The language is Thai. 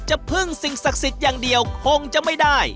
พึ่งสิ่งศักดิ์สิทธิ์อย่างเดียวคงจะไม่ได้